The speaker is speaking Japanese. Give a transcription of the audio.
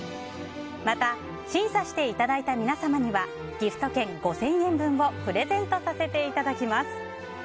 また、審査していただいた皆様にはギフト券５０００円分をプレゼントさせていただきます。